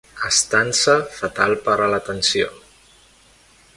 Estança fatal per a la tensió.